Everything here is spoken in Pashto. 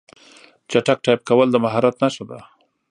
چټک ټایپ کول د مهارت نښه ده.